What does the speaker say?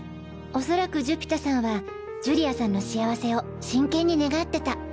恐らく寿飛太さんは寿里亜さんの幸せを真剣に願ってた。